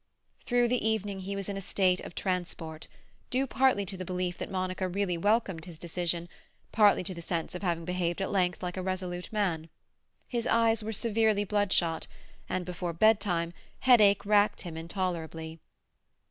Through the evening he was in a state of transport, due partly to the belief that Monica really welcomed his decision, partly to the sense of having behaved at length like a resolute man. His eyes were severely bloodshot, and before bedtime headache racked him intolerably.